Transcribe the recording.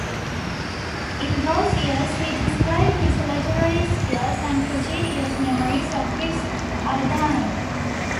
In those years he displayed his literary skills and prodigious memory in his Avadhanam.